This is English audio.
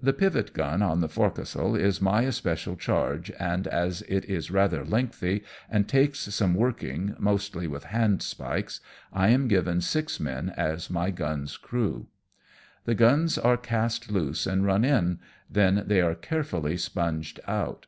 The pivot gun on the forecastle is my especial charge, and as it is rather lengthy, and takes some working, mostly with handspikes, I am given six men as my gun's crew. The guns are cast loose and run in, then they are carefully sponged out.